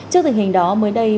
trước tình hình đó mới đây